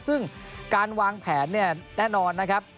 ซึ่งการวางแผนเนี่ยแน่นอนนะครับ